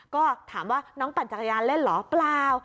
ก็ถามว่าน้องปั่นจักรยานเล่นเหรอเปล่า